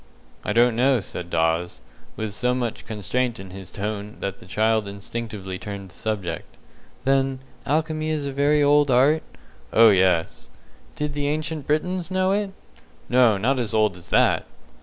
"I don't know," said Dawes, with so much constraint in his tone that the child instinctively turned the subject. "Then, alchemy is a very old art?" "Oh, yes." "Did the Ancient Britons know it?" "No, not as old as that!"